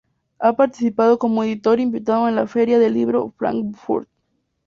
Ha participado como editor invitado en la feria del libro de Frankfurt.